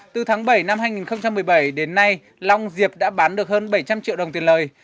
từ tháng bảy năm hai nghìn một mươi bảy đến nay long diệp đã bán được hơn bảy trăm linh triệu đồng tiền lời